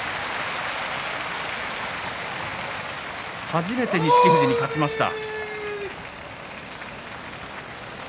初めて錦富士に勝ちました。